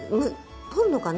取るのかな？